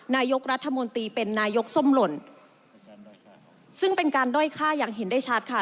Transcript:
นายกรัฐมนตรีเป็นนายกส้มหล่นซึ่งเป็นการด้อยฆ่าอย่างเห็นได้ชัดค่ะ